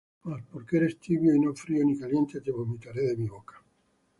Mas porque eres tibio, y no frío ni caliente, te vomitaré de mi boca.